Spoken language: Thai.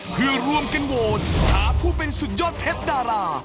เพื่อร่วมกันโหวตหาผู้เป็นสุดยอดเพชรดารา